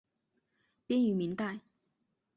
编于明代。